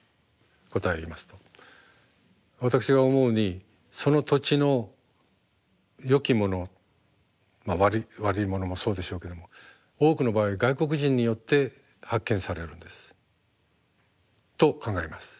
私が思うにその土地のよきもの悪いものもそうでしょうけども多くの場合外国人によって発見されるんです。と考えます。